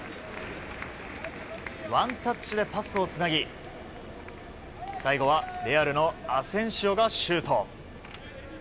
ワンタッチでパスをつなぎ最後はレアルのアセンシオがシュート。